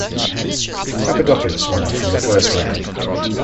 Papadopoulos won from the first round.